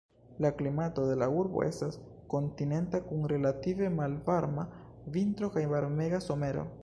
La klimato de la urbo estas kontinenta kun relative malvarma vintro kaj varmega somero.